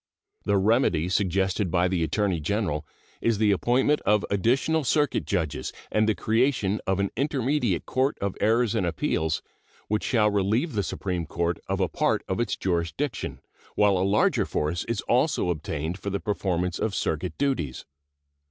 The remedy suggested by the Attorney General is the appointment of additional circuit judges and the creation of an intermediate court of errors and appeals, which shall relieve the Supreme Court of a part of its jurisdiction, while a larger force is also obtained for the performance of circuit duties.